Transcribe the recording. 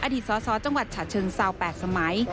สสจังหวัดฉะเชิงเซา๘สมัย